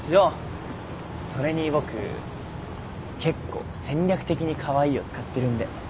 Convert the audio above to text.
それに僕結構戦略的にカワイイを使ってるんで。